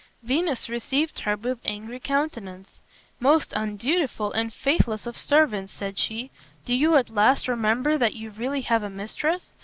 Venus received her with angry countenance. "Most undutiful and faithless of servants," said she, "do you at last remember that you really have a mistress?